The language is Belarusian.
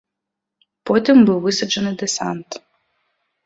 Потым быў высаджаны дэсант.